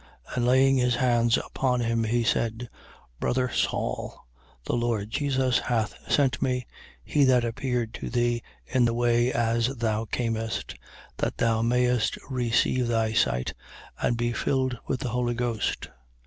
And laying his hands upon him, he said: Brother Saul, the Lord Jesus hath sent me, he that appeared to thee in the way as thou camest, that thou mayest receive thy sight and be filled with the Holy Ghost.